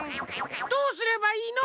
どうすればいいの？